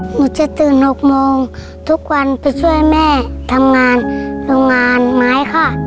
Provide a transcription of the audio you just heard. หนูจะตื่น๖โมงทุกวันไปช่วยแม่ทำงานโรงงานไม้ค่ะ